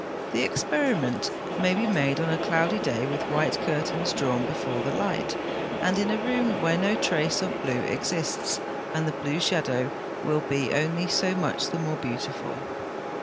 The experiment may be made on a cloudy day with white curtains drawn before the light, and in a room where no trace of blue exists, and the blue shadow will be only so much the more beautiful.